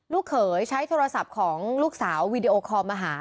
เขยใช้โทรศัพท์ของลูกสาววีดีโอคอลมาหา